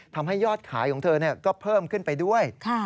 ทำให้ยอดขายของเธอก็เพิ่มขึ้นไปด้วย